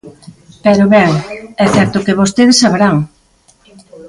Pero, ben, é certo que vostedes saberán.